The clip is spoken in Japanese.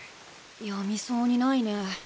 やみそうにないね。